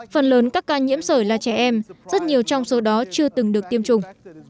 phần lớn các ca nhiễm sởi là trẻ em rất nhiều trong số đó chưa từng được tiêm chủng